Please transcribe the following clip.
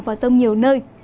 và rông nhiều nơi